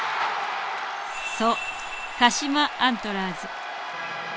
そう鹿島アントラーズ。